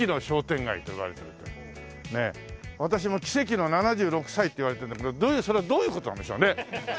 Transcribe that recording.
私も奇跡の７６歳っていわれてるんだけどそれはどういう事なんでしょうね？